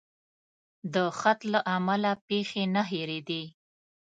د خط له امله پیښې نه هېرېدې.